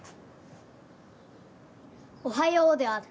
おはようである。